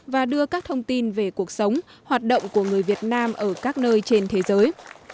và đưa các thông tin về cuộc sống hoạt động của người việt nam ở các nơi trên thế giới